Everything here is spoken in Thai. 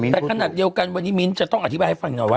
แต่ขนาดเดียวกันวันนี้มิ้นจะต้องอธิบายให้ฟังหน่อยว่า